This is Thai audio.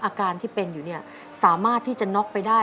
อาการที่เป็นอยู่เนี่ยสามารถที่จะน็อกไปได้